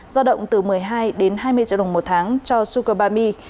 do động từ một mươi hai đến hai mươi triệu đồng một tháng cho sugar baby